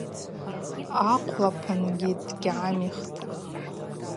Ахъвлапынгьи дгьгӏамихтӏ.